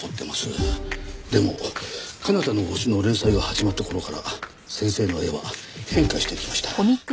でも『彼方の星』の連載が始まった頃から先生の絵は変化していきました。